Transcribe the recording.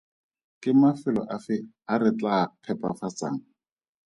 Ke mafelo afe a re tlaa a phepafatsang?